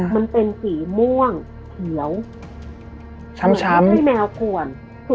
มันเป็นสีม่วงเขียวที่มันให้แมวห่วน